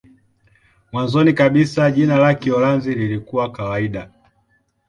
Mwanzoni kabisa jina la Kiholanzi lilikuwa kawaida "Sankt-Pieterburch".